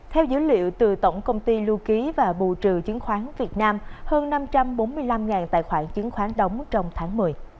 theo dữ liệu từ tổng công ty lưu ký và bù trừ chứng khoán việt nam hơn năm trăm bốn mươi năm tài khoản chứng khoán đóng trong tháng một mươi